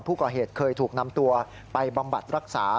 ผู้ก่อเหตุเคยถูกนำตัวไปบำบัดรักษา